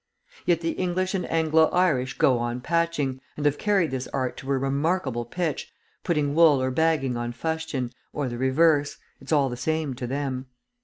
Yet the English and Anglo Irish go on patching, and have carried this art to a remarkable pitch, putting wool or bagging on fustian, or the reverse it's all the same to them.